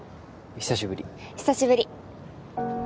久しぶり。